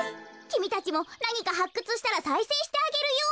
きみたちもなにかはっくつしたらさいせいしてあげるよ。